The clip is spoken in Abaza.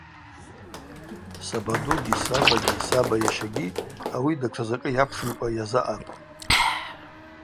Сабадугьи сабагьи саба йащагьи ауи датша закӏы йапшымкӏва йазаъапӏ.